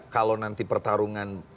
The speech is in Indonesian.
kalau nanti pertarungan